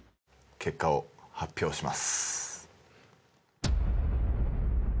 結果を発表します。